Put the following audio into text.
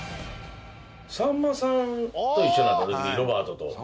さんまさんと一緒になった時にロバートと。